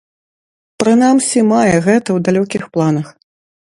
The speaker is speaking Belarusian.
Прынамсі, мае гэта ў далёкіх планах.